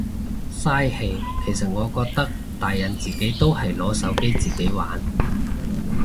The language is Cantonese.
嘥氣其實我覺得，大人自己都係攞手機自己玩。